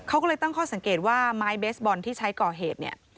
เขาก็เลยตั้งข้อสังเกตว่าไม้เบสบอลที่ใช้ก่อเหตุเนี่ย